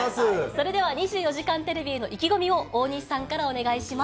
それでは２４時間テレビへの意気込みを大西さんからお願いします。